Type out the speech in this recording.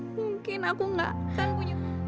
mungkin aku nggak akan punya